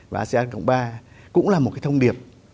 và asean cộng ba cũng là một cái thông điệp